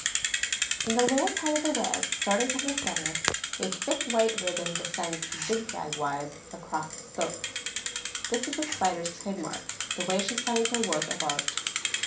In the lower part of the web, starting from the center, a thick wide ribbon descends zigzag wise across the spokes. This is the Spider's trademark, the way she signs her work of art.